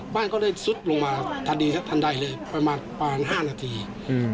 บ้านก็เลยซุดลงมาทันดีทันใดเลยประมาณปานห้านาทีอืม